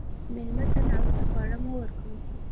مېلمه ته ناوخته خواړه مه ورکوه.